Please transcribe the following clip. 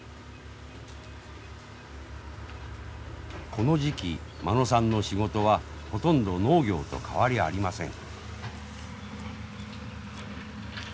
この時期間野さんの仕事はほとんど農業と変わりありません。